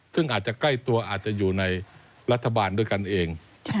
ซึ่งอาจจะใกล้ตัวอาจจะอยู่ในรัฐบาลด้วยกันเอง